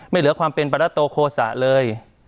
เหลือความเป็นปรัตโตโฆษะเลย